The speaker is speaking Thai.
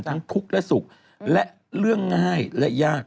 ทุกข์และสุขและเรื่องง่ายและยาก